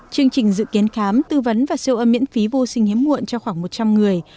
chương trình dự kiến khám tư vấn và siêu âm miễn phí vô sinh hiếm muộn cho khoảng một trăm linh người